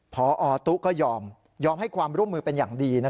พอตุ๊ก็ยอมให้ความร่วมมือเป็นอย่างดี